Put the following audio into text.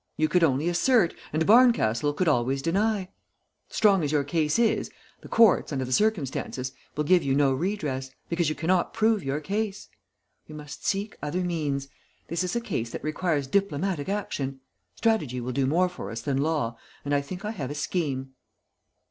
You could only assert, and Barncastle could always deny. Strong as your cause is, the courts, under the circumstances, will give you no redress, because you cannot prove your case. We must seek other means; this is a case that requires diplomatic action. Strategy will do more for us than law, and I think I have a scheme."